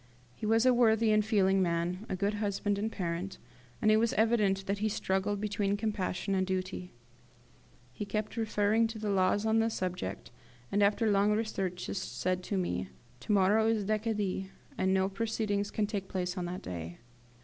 He was a worthy and feeling man, a good husband and parent, and it was evident that he struggled between compassion and duty. He kept referring to the laws on the subject, and, after long researches said to me, "To morrow is Decadi, and no proceedings can take place on that day.